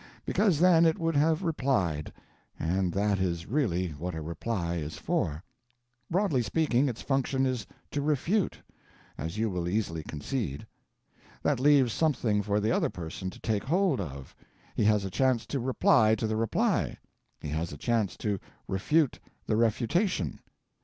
Because then it would have replied and that is really what a Reply is for. Broadly speaking, its function is to refute as you will easily concede. That leaves something for the other person to take hold of: he has a chance to reply to the Reply, he has a chance to refute the refutation.